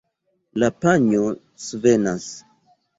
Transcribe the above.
La panjo svenas.